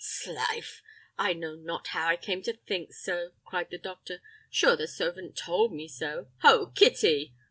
"'S life! I know not how I came to think so." cried the doctor; "sure, the servant told me so. Ho, Kitty!"